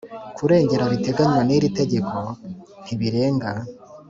Kurengera biteganywa n iri tegeko ntibireba